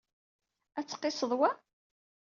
Ad tqised wa?